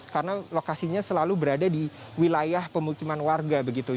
karena lokasinya selalu berada di wilayah pemikiran warga begitu